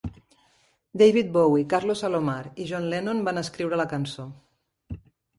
David Bowie, Carlos Alomar i John Lennon van escriure la cançó.